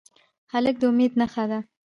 هلک د امید نښه ده.